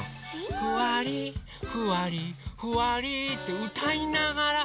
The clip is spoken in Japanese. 「ふわりふわりふわり」ってうたいながらふいてるんだって。